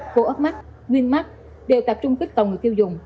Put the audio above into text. coop mart winmart đều tập trung kích cầu người tiêu dùng